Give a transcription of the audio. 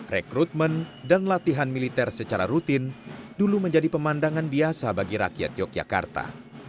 rekrutmen dan latihan militer secara rutin dulu menjadi pemandangan biasa bagi rakyat yogyakarta